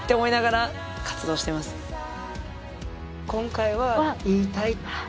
今回は言いたい。